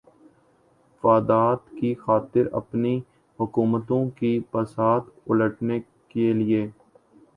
فادات کی خاطر اپنی حکومتوں کی بساط الٹنے کیلئے